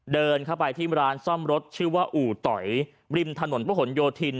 เดินเข้าไปที่ร้านซ่อมรถชื่อว่าอู่ต่อยริมถนนพระหลโยธิน